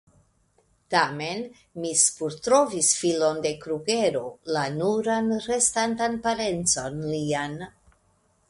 Tamen, mi spurtrovis filon de Krugero, la nuran restantan parencon lian.